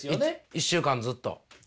１週間ずっと。